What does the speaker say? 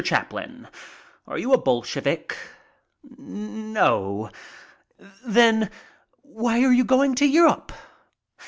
Chaplin, are you a Bolshevik?" "No." "Then why are you going to Europe?"